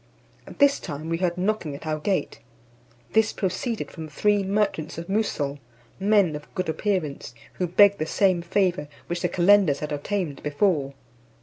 At this time we heard knocking at our gate. This proceeded from three merchants of Moussol, men of good appearance, who begged the same favour which the calenders had obtained before.